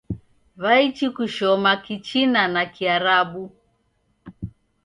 W'aichi kushoma kichina na Kiarabu.